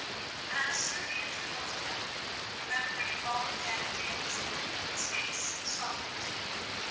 As Sir Andrew looked at them, remembering long dead days, his face softened.